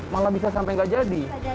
malah bisa sampai nggak jadi